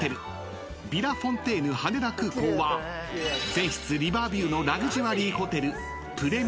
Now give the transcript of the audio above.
［全室リバービューのラグジュアリーホテルプレミアと］